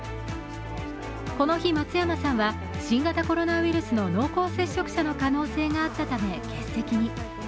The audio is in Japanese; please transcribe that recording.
この日、松山さんは新型コロナウイルスの濃厚接触者の可能性があったため、欠席に。